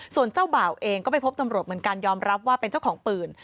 ส่วนเจ้าบ่าวเองก็ไปพบตำรวจเหมือนกันยอมรับว่าเป็นเจ้าของปืน